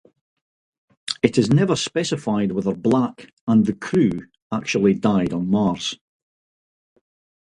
It is never specified whether Black and the crew actually died on Mars.